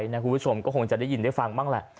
คุณผู้ชมก็คงจะได้ยินได้ฟังบ้างแหละ